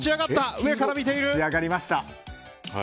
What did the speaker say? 上から見ている！